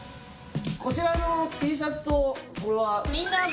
こちらのＴシャツとこれは？